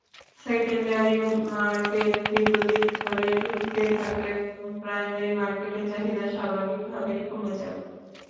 Secondary market দীর্ঘদিন ধরে ধুঁকতে থাকলে প্রাইমারি মার্কেটের চাহিদা স্বাভাবিকভাবেই কমে যাবে।